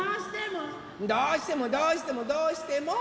どうしてもどうしてもどうしても！